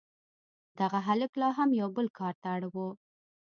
دغه هلک لا هم یو بل کار ته اړ و